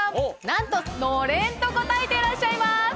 なんと「暖簾」と答えていらっしゃいます